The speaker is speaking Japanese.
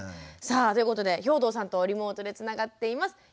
さあということで兵頭さんとリモートでつながっています。